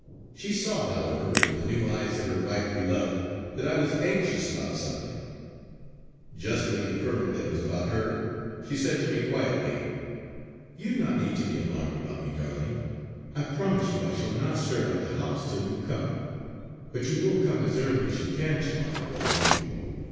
She saw, however, with the new eyes of her wifely love, that I was anxious about something; justly inferring that it was about her, she said to me quietly: "You need not be alarmed about me, darling. I promise you I shall not stir out of the house till you come. But you will come as early as you can to morrow; won't you.